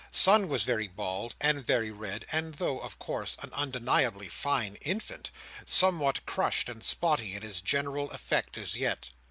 Son was very bald, and very red, and though (of course) an undeniably fine infant, somewhat crushed and spotty in his general effect, as yet.